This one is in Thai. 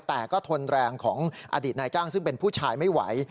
แต่ก็ทนแรงของอดีตนายจ้างซึ่งเป็นผู้ชายไม่ไหว